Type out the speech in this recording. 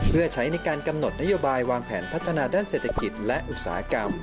เพื่อใช้ในการกำหนดนโยบายวางแผนพัฒนาด้านเศรษฐกิจและอุตสาหกรรม